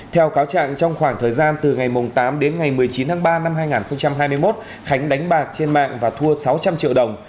theo cáo trạng trong khoảng thời gian từ ngày tám đến ngày một mươi chín tháng ba năm hai nghìn hai mươi một khánh đánh bạc trên mạng và thua sáu trăm linh triệu đồng